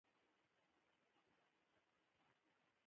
هيلې وویل چې د ډاکټر حشمتي کورنۍ ستا پوښتنې ته راغلې